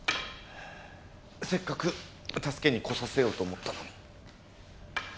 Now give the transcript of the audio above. せっかく助けに来させようと思ったのに。